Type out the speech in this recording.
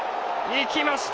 いきました！